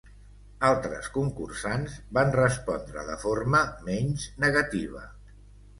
Altres concursants van respondre de forma menys negativa.